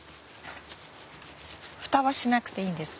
蓋はしなくていいんですか？